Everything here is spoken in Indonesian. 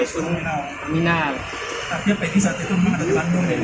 tapi pegi saat itu masih di bandung